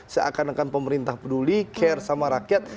seakan akan pemerintah peduli care sama rakyat